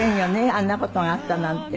あんな事があったなんて。